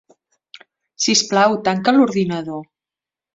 Sisplau, tanca l'ordinador.